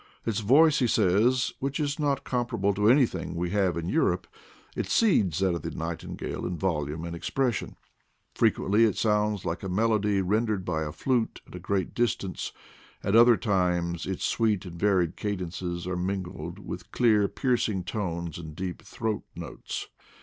Its voice, he says, which is not comparable to anything we have in Europe, exceeds that of the nightingale in volume and expression. Frequently it sounds like a melody rendered by a flute at a great dis tance ; at other times its sweet and varied cadences are mingled with clear piercing tones and deep throat notes.